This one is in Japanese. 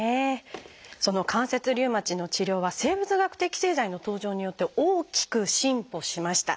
その関節リウマチの治療は生物学的製剤の登場によって大きく進歩しました。